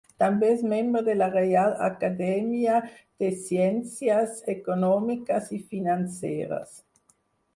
També és membre de la Reial Acadèmia de Ciències Econòmiques i Financeres.